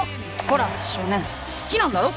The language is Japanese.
ほら少年好きなんだろ？